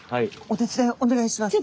お手伝いお願いします。